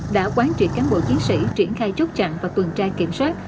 đã quán trị cán bộ chiến sĩ triển khai chốt chặn và tuần trai kiểm soát